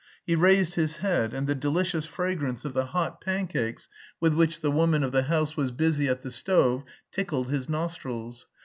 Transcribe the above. He raised his head and the delicious fragrance of the hot pancakes with which the woman of the house was busy at the stove tickled his nostrils.